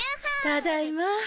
ただいま。